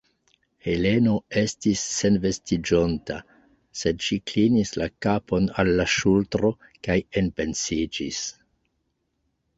Heleno estis senvestiĝonta, sed ŝi klinis la kapon al la ŝultro kaj enpensiĝis.